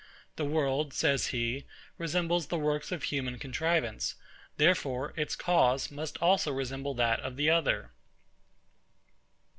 The world, says he, resembles the works of human contrivance; therefore its cause must also resemble that of the other.